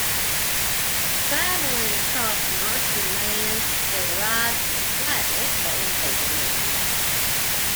Traveling across marshy land, they arrived at a slightly elevated area.